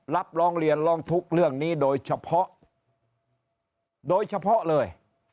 ร้องเรียนร้องทุกข์เรื่องนี้โดยเฉพาะโดยเฉพาะเลย